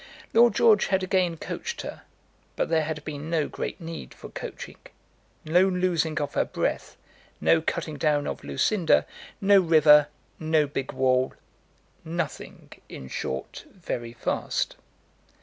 Lord George had again coached her; but there had been no great need for coaching, no losing of her breath, no cutting down of Lucinda, no river, no big wall, nothing, in short, very fast.